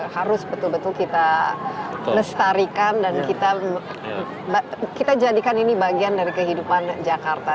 harus betul betul kita lestarikan dan kita jadikan ini bagian dari kehidupan jakarta